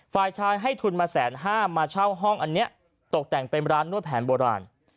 ฝ่ายชายให้ทุนมาแสนห้ามาเช่าห้องอันนี้ตกแต่งเป็นร้านนวดแผนโบราณ